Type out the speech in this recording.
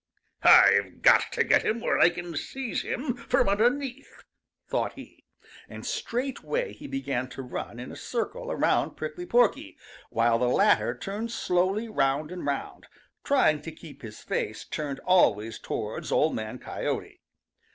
"I've got to get him where I can seize him from underneath," thought he, and straightway he began to run in a circle around Prickly Porky while the latter turned slowly round and round, trying to keep his face turned always towards Old Man Coyote.